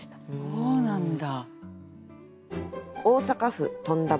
そうなんだ。